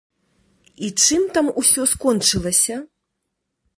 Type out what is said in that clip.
І чым там усё скончылася?